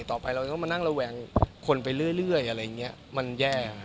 ต่อไปเราจะต้องมานั่งระแวงคนไปเรื่อยอะไรอย่างนี้มันแย่